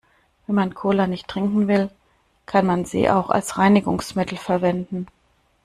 Wenn man Cola nicht trinken will, kann man sie auch als Reinigungsmittel verwenden.